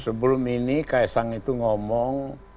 sebelum ini ks sang itu ngomong